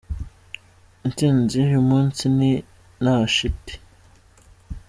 Intsinzi y'uyu munsi ni nta shiti.